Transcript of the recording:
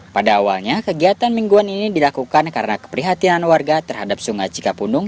pada awalnya kegiatan mingguan ini dilakukan karena keprihatinan warga terhadap sungai cikapundung